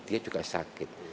dia juga sakit